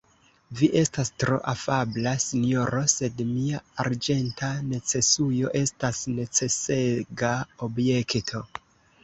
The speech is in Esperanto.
Vi estas tro afabla, sinjoro, sed mia arĝenta necesujo estas necesega objekto.